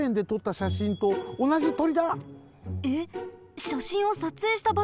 しゃしんをさつえいしたばしょがわかるの？